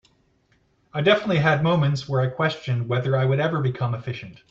I definitely had moments where I questioned whether I would ever become efficient.